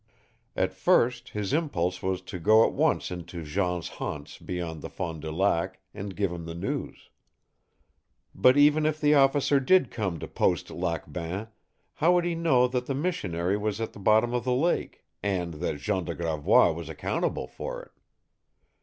At first his impulse was to go at once into Jean's haunts beyond the Fond du Lac, and give him the news. But even if the officer did come to Post Lac Bain, how would he know that the missionary was at the bottom of the lake, and that Jean de Gravois was accountable for it?